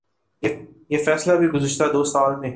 یہ فیصلہ بھی گزشتہ دو سال میں